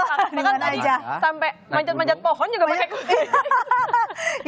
sampai manjat manjat pohon juga pakai kebaya